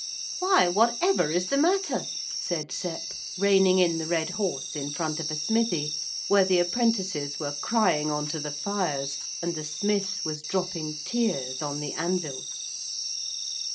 'Why, whatever is the matter?' said Sep, reining in the red horse in front of a smithy, where the apprentices were crying on to the fires, and the smith was dropping tears on the anvil.